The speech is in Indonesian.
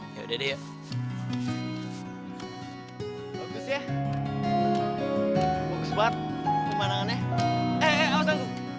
kenapa gak dimanfaatin